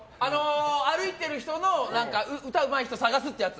歩いている人の歌をうまい人を探すっていうやつ。